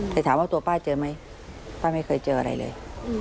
แต่ถามว่าตัวป้าเจอไหมป้าไม่เคยเจออะไรเลย